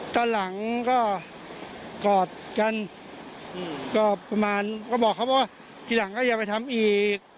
ตอนหลังก็กอดกันก็ประมาณก็บอกเขาบอกว่าทีหลังก็อย่าไปทำอีก